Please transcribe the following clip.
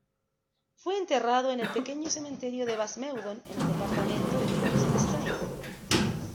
Fue enterrado en el pequeño cementerio de Bas Meudon en el departamento de Hauts-de-Seine.